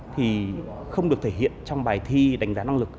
thì không được thể hiện trong bài thi đánh giá năng lực